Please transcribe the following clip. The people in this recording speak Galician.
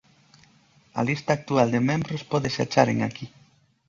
A lista actual de membros pódese achar en aquí.